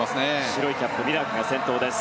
白いキャップミラークが先頭です。